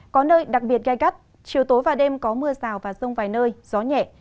có nơi đặc biệt gai gắt chiều tối và đêm có mưa rào và rông vài nơi gió nhẹ